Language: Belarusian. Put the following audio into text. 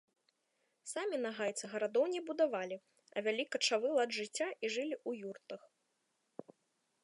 Самі нагайцы гарадоў не будавалі, а вялі качавы лад жыцця і жылі ў юртах.